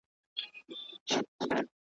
مګر ولي، پښتانه لوستونکي ,